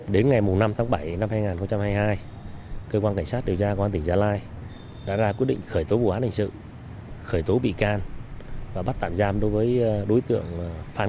đã bị cơ quan cảnh sát điều tra công an tỉnh gia lai triệt phá